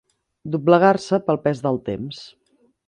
Doblegar-se pel pes del temps.